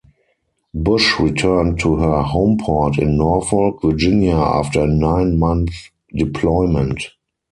Bush returned to her homeport in Norfolk, Virginia after a nine-month deployment.